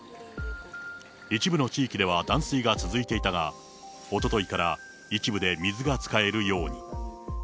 一部の地域では断水が続いていたが、おとといから一部で水が使えるように。